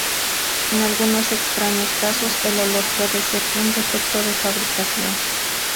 En algunos extraños casos, el olor puede ser un defecto de fabricación.